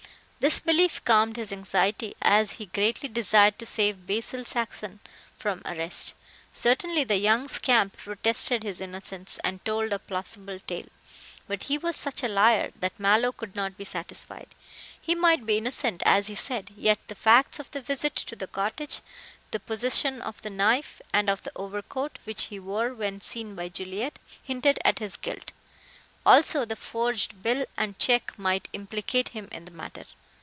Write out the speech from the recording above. This belief calmed his anxiety, as he greatly desired to save Basil Saxon from arrest. Certainly, the young scamp protested his innocence, and told a plausible tale, but he was such a liar that Mallow could not be satisfied. He might be innocent as he said, yet the facts of the visit to the cottage, the possession of the knife and of the overcoat which he wore when seen by Juliet, hinted at his guilt. Also the forged bill and check might implicate him in the matter.